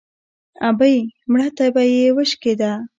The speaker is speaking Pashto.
ـ ابۍ مړه تبه يې وشکېده.